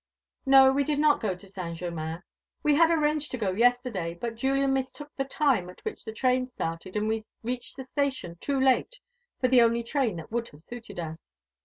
"No; we did not go to Saint Germain. We had arranged to go yesterday, but Julian mistook the time at which the train started, and we reached the station too late for the only train that would have suited us."